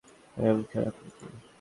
এটা বিশাল আকৃতির!